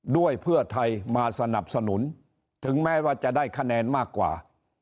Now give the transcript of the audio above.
ด้วยเพื่อไทยมาสนับสนุนถึงแม้ว่าจะได้คะแนนมากกว่า